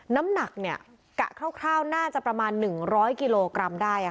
น้ำหนักเนี่ยกะคร่าวคร่าวน่าจะประมาณหนึ่งร้อยกิโลกรัมได้อ่ะค่ะ